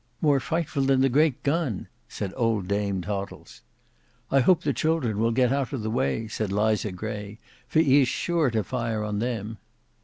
"More frightful than the great gun," said old Dame Toddles. "I hope the children will get out of the way," said Liza Gray, "for he is sure to fire on them."